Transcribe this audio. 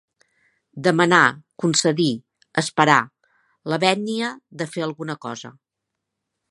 Demanar, concedir, esperar, la vènia de fer alguna cosa.